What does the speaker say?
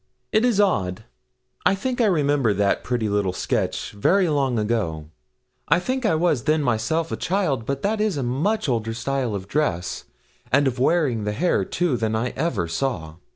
'It is odd; I think I remember that pretty little sketch, very long ago. I think I was then myself a child, but that is a much older style of dress, and of wearing the hair, too, than I ever saw.